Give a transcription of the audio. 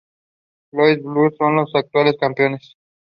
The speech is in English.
This is the last season to feature Valdes and Cavanagh as series regulars.